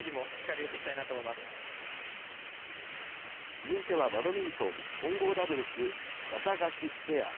続いてはバドミントン、混合ダブルス、ワタガシペア。